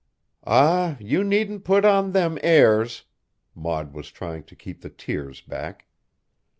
"Ah! you needn't put on them airs!" Maud was trying to keep the tears back.